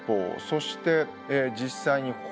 そして実際に方角